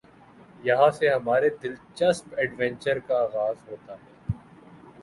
یہاں سے ہمارے دلچسپ ایڈونچر کا آغاز ہوتا ہے ۔